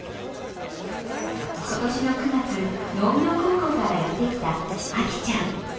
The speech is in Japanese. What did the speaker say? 今年の９月農業高校からやってきた、あきちゃん。